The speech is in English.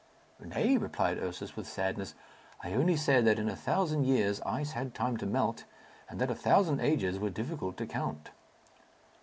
"Nay," replied Ursus, with sadness, "I only said that in a thousand years ice had time to melt, and that a thousand ages were difficult to count."